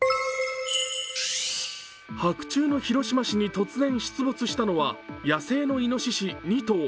白昼の広島市に突然出没したのは野生のいのしし２頭。